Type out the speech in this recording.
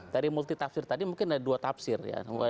dari multi tafsir tadi mungkin ada dua tafsir ya